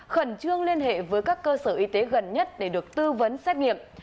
khẩn trương liên hệ với các cơ sở y tế gần nhất để được tư vấn xét nghiệm